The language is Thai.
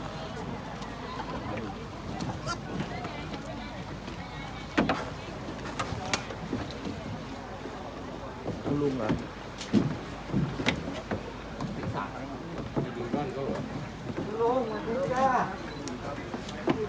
ไม่ได้ไหมเพลงรังใจยืนเป็นร้อยปีก็ได้นะเราก็ไม่ได้ทิ้งตัวอะไรอยู่แล้ว